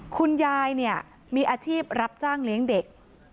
คุณยายเนี่ยมีอาชีพรับจ้างเลี้ยงเด็ก